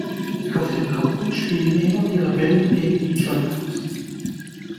Auf den Karten spielen immer die Rebellen gegen die Joint Ops.